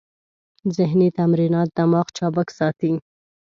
ذهني تمرینات دماغ چابک ساتي.